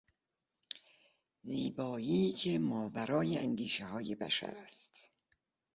زیبایی که ماورای اندیشههای بشر است